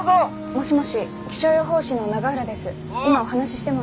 もしもし気象予報士の永浦です。